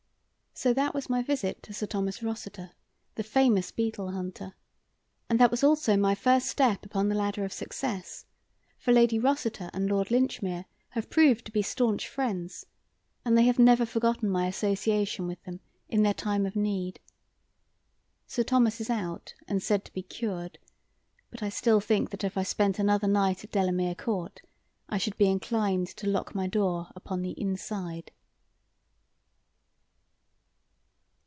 So that was my visit to Sir Thomas Rossiter, the famous beetle hunter, and that was also my first step upon the ladder of success, for Lady Rossiter and Lord Linchmere have proved to be staunch friends, and they have never forgotten my association with them in the time of their need. Sir Thomas is out and said to be cured, but I still think that if I spent another night at Delamere Court, I should be inclined to lock my door upon the inside.